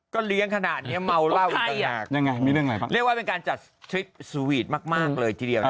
ก็เลี้ยงขนาดนี้เมาเหล้าอยู่ตรงนั้นเรียกว่าเป็นการจัดสวีทมากเลยทีเดียว